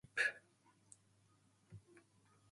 After publishing "Minotaur", the two formed a partnership.